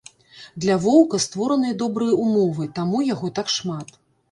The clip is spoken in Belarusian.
Для воўка створаныя добрыя ўмовы, таму яго так шмат.